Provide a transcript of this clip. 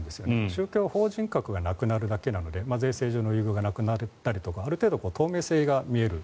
宗教法人格がなくなるだけなので税制上の優遇がなくなるだけで透明性が見える。